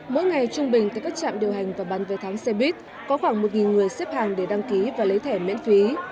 mỗi ngày trung bình tại các trạm điều hành và bán vé tháng xe buýt có khoảng một người xếp hàng để đăng ký và lấy thẻ miễn phí